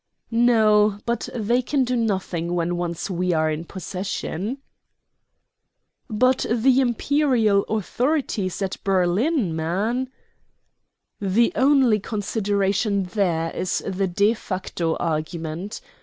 "No; but they can do nothing when once we are in possession." "But the Imperial authorities at Berlin, man?" "The one consideration there is the de facto argument.